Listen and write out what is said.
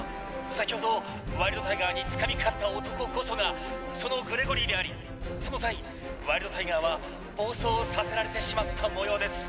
「先ほどワイルドタイガーにつかみかかった男こそがそのグレゴリーでありその際ワイルドタイガーは暴走させられてしまったもようです」。